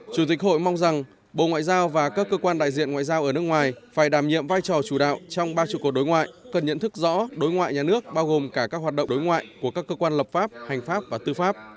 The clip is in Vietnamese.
chủ tịch hội mong rằng bộ ngoại giao và các cơ quan đại diện ngoại giao ở nước ngoài phải đảm nhiệm vai trò chủ đạo trong ba trụ cột đối ngoại cần nhận thức rõ đối ngoại nhà nước bao gồm cả các hoạt động đối ngoại của các cơ quan lập pháp hành pháp và tư pháp